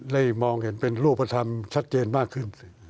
ได้มองเห็นเป็นรูปธรรมชัดเจนมากขึ้น